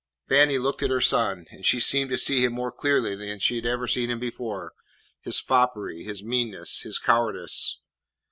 Fannie looked at her son, and she seemed to see him more clearly than she had ever seen him before, his foppery, his meanness, his cowardice.